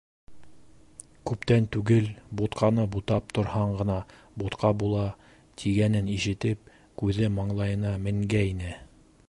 Күптән түгел бутҡаны бутап торһаң ғына бутҡа була, тигәнен ишетеп, күҙе маңлайына менгәйне.